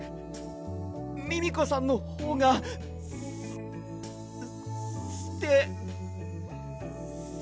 ミミコさんのほうがすすてす。